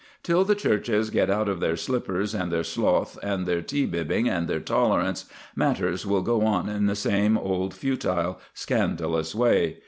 Till the churches get out of their slippers and their sloth and their tea bibbing and their tolerance, matters will go on in the same old futile, scandalous way.